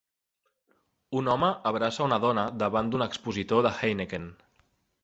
Un home abraça una dona davant d'un expositor de Heineken.